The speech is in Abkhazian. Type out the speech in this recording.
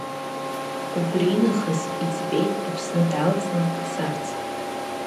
Убри нахыс иӡбеит Аԥсны далҵны дцарц.